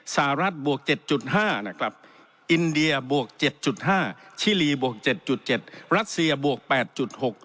สหรัฐบวก๗๕นะครับอินเดียบวก๗๕ชิลีบวก๗๗รัสเซียบวก๘๖